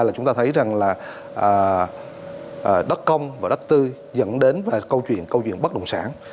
là chúng ta thấy rằng là đất công và đất tư dẫn đến câu chuyện câu chuyện bất động sản